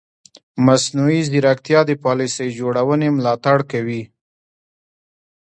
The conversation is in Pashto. مصنوعي ځیرکتیا د پالیسي جوړونې ملاتړ کوي.